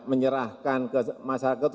menyerahkan ke masyarakat